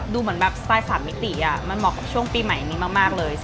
ดูเหมือนแบบสไตล์๓มิติมันเหมาะกับช่วงปีใหม่นี้มากเลย